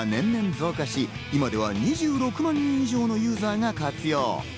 会員数は年々増加し、今では２６万人以上のユーザーが活用。